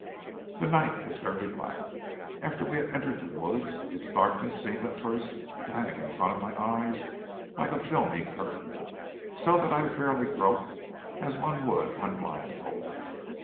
The night was very black. After we had entered the woods its darkness seemed at first to hang in front of my eyes like a filmy curtain, so that I fairly groped, as one would when blindfolded.